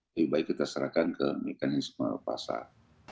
lebih baik kita serahkan ke mekanisme pasar